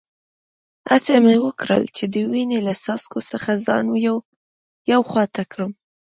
هڅه مې وکړل چي د وینې له څاڅکو څخه ځان یوې خوا ته کړم.